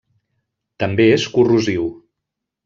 També és corrosiu.